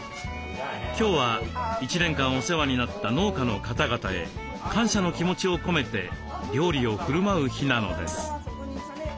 今日は１年間お世話になった農家の方々へ感謝の気持ちを込めて料理をふるまう日なのです。